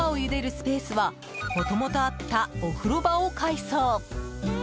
スペースはもともとあったお風呂場を改装。